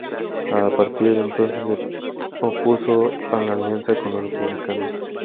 A partir de entonces se opuso a la alianza con los republicanos.